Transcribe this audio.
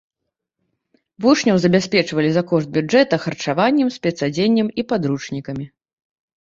Вучняў забяспечвалі за кошт бюджэта харчаваннем, спецадзеннем і падручнікамі.